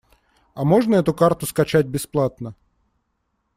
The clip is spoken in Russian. А можно эту карту скачать бесплатно?